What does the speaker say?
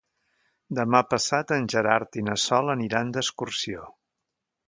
Demà passat en Gerard i na Sol aniran d'excursió.